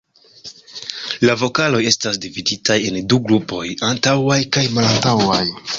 La vokaloj estas dividitaj en du grupoj: antaŭaj kaj malantaŭaj.